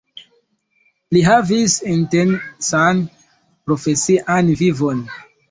Li havis intensan profesian vivon.